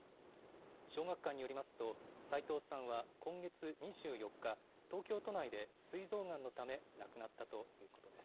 小学館によりますと、さいとうさんは今月２４日、東京都内で、すい臓がんのため、亡くなったということです。